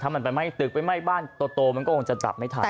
มันไปไหม้ตึกไปไหม้บ้านโตมันก็คงจะจับไม่ทัน